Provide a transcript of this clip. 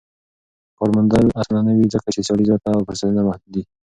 کار موندل اسانه نه وي ځکه چې سيالي زياته او فرصتونه محدود وي.